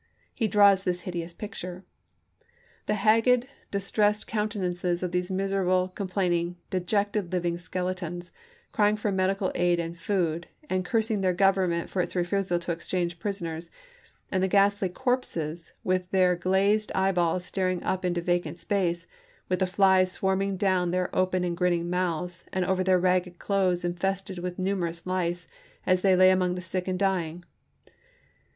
He draws this hideous 470 ABRAHAM LINCOLN chap. xvi. picture: " The haggard, distressed countenances of these miserable, complaining, dejected living skele tons, crying for medical aid and food, and cursing their Government for its refusal to exchange prison ers, and the ghastly corpses with their glazed eye balls staring up into vacant space, with the flies swarming down their open and grinning mouths Henry and over their ragged clothes infested with numer Wirz "<><> p. 226. ous lice, as they lay among the sick and dying